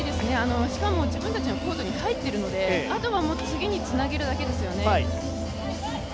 しかも自分たちのコートに入ってるので、あとは次につなげるだけですよね。